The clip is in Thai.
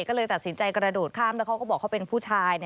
ก็เลยตัดสินใจกระโดดข้ามแล้วเขาก็บอกเขาเป็นผู้ชาย